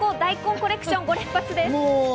コレクション５連発です。